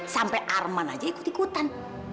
sampai arman aja ikut ikutan